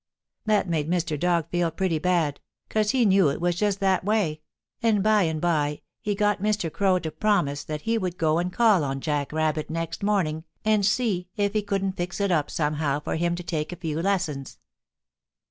That made Mr. Dog feel pretty bad, 'cause he knew it was just that way, and by and by he got Mr. Crow to promise that he would go and call on Jack Rabbit next morning and see if he couldn't fix it up somehow for him to take a few lessons.